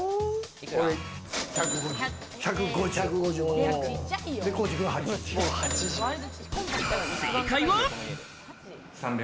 俺、１５０。